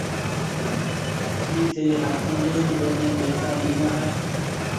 ڪِي ٿَي هاچيلِي اوَي نَي پيسآ ڏِنا هيَ؟